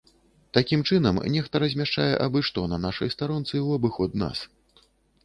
Такім чынам, нехта размяшчае абы-што на нашай старонцы ў абыход нас.